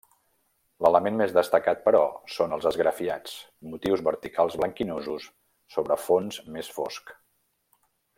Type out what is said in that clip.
L'element més destacat, però, són els esgrafiats; motius verticals blanquinosos sobre fons més fosc.